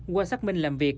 qua xác minh làm việc